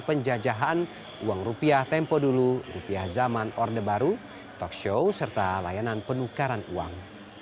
penjajahan uang rupiah tempo dulu rupiah zaman order baru talkshow serta layanan penukaran uang